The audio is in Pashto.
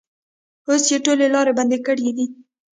اوس یې ټولې لارې بندې کړې دي.